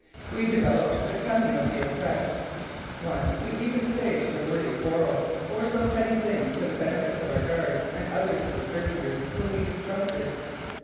We developed the cunning of the oppressed. Once we even staged a wordy quarrel over some petty thing for the benefit of our guards and others of the prisoners whom we distrusted.